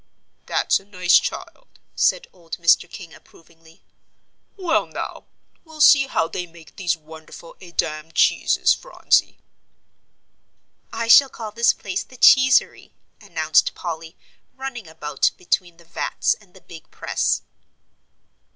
"That's a nice child," said old Mr. King, approvingly. "Well, now, we'll see how they make these wonderful Edam cheeses, Phronsie." "I shall call this place the Cheesery," announced Polly, running about between the vats and the big press.